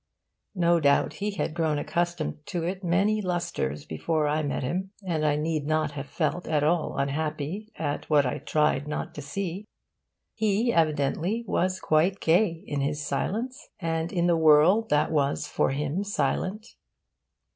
No doubt he had grown accustomed to it many lustres before I met him, and I need not have felt at all unhappy at what I tried not to see. He, evidently, was quite gay, in his silence and in the world that was for him silent.